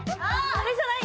あれじゃない？